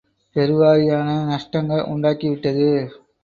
பெருவாரியான நஷ்டங்க உண்டாக்கிவிட்டது.